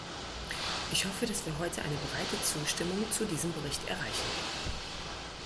Ich hoffe, dass wir heute eine breite Zustimmung zu diesem Bericht erreichen.